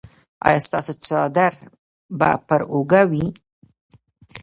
ایا ستاسو څادر به پر اوږه وي؟